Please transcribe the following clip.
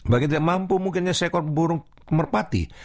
bagi yang tidak mampu mungkin sekor burung merpati